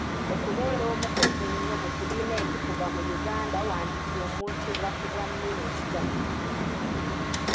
Okubeera omukozi ennyo mu kibiina ekifuga mu Uganda wandisuumuusibwa ku bwa Minisita.